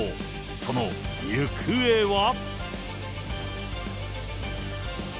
その行方は。